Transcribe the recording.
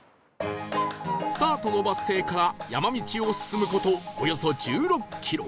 スタートのバス停から山道を進む事およそ１６キロ